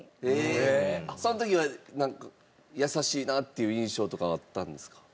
その時はなんか優しいなっていう印象とかはあったんですか？